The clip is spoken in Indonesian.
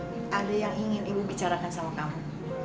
mungkin ada yang ingin ibu bicarakan sama kamu